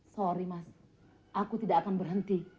sorry mas aku tidak akan berhenti